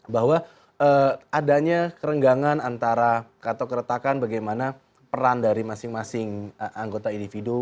bahwa adanya kerenggangan antara atau keretakan bagaimana peran dari masing masing anggota individu